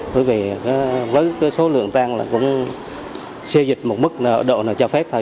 bởi vì với cái số lượng tan là cũng xây dịch một mức độ cho phép thôi